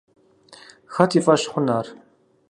Хэт и фӏэщ хъун ар?